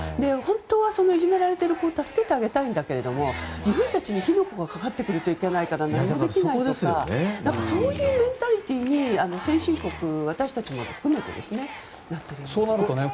本当はそのいじめられている子を助けてあげたいんだけれども自分たちに火の粉がかかってくるといけないから何もできないとかそういうメンタリティーに先進国、私たちも含めてなっているのかと。